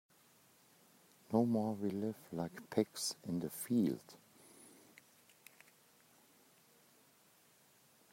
No more we live like pigs in the field.